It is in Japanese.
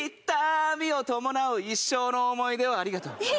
痛みを伴う一生の思い出をありがとう。